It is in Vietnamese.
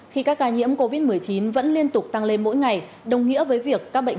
khi các ca nhiễm covid một mươi chín vẫn liên tục tăng lên mỗi ngày đồng nghĩa với việc